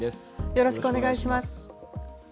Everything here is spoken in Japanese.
よろしくお願いします。